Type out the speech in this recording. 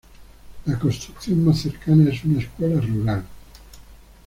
La construcción más cercana es una Escuela Rural.